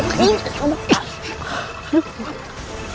tidak tidak tidak